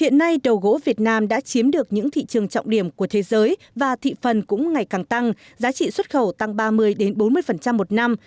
hiện nay đồ gỗ việt nam đã chiếm được những thị trường trọng điểm của thế giới và thị phần cũng ngày càng tăng giá trị xuất khẩu tăng ba mươi bốn mươi một năm